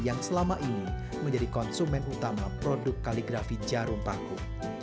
yang selama ini menjadi konsumen utama produk kaligrafi jarum paku